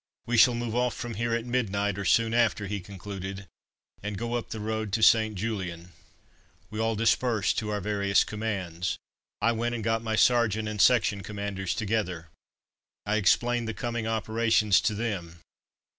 "We shall move off from here at midnight, or soon after," he concluded, "and go up the road to St. Julien." We all dispersed to our various commands. I went and got my sergeant and section commanders together. I explained the coming operations to them.